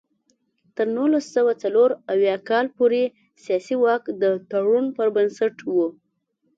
تر نولس سوه څلور اویا کال پورې سیاسي واک د تړون پر بنسټ و.